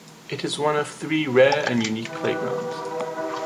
It is one of three rare and unique playgrounds.